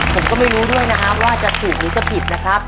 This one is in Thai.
ผมก็ไม่รู้ด้วยนะครับว่าจะถูกหรือจะผิดนะครับ